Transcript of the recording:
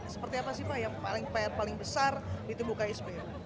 seperti apa sih pak yang paling pr paling besar di tubuh ksp